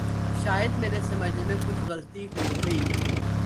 شاید میرے سمجھنے میں کچھ غلطی ہو گئی۔